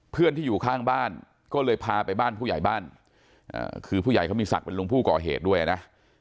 เพื่อนที่อยู่ข้างบ้านก็เลยพาไปบ้านผู้ใหญ่บ้านคือผู้ใหญ่เขามีศักดิ์เป็นลุงผู้ก่อเหตุด้วยนะ